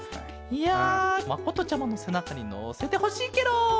いやまことちゃまのせなかにのせてほしいケロ！